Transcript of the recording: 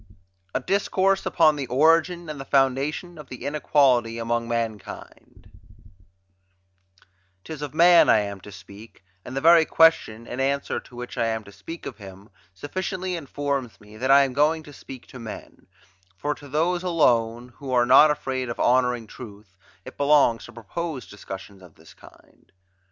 A DISCOURSE UPON THE ORIGIN AND THE FOUNDATION OF THE INEQUALITY AMONG MANKIND 'Tis of man I am to speak; and the very question, in answer to which I am to speak of him, sufficiently informs me that I am going to speak to men; for to those alone, who are not afraid of honouring truth, it belongs to propose discussions of this kind.